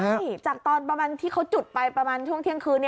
ใช่จากตอนประมาณที่เขาจุดไปประมาณช่วงเที่ยงคืน